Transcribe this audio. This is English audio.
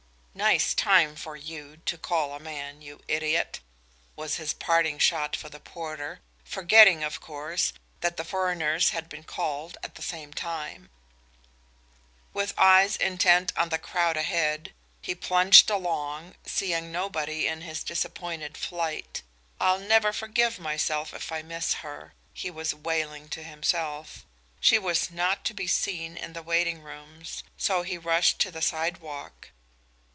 "Nice time for you, to call a man, you idiot," was his parting shot for the porter, forgetting of course, that the foreigners had been called at the same time. With eyes intent on the crowd ahead, he plunged along, seeing nobody in his disappointed flight. "I'll never forgive myself if I miss her," he was wailing to himself. She was not to be seen in the waiting rooms, so he rushed to the sidewalk.